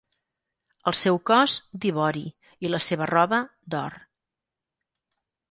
El seu cos, d'ivori, i la seva roba, d'or.